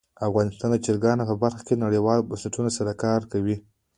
افغانستان د چرګان په برخه کې نړیوالو بنسټونو سره کار کوي.